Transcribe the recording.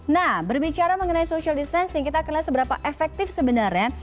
nah berbicara mengenai social distancing kita akan lihat seberapa efektif sebenarnya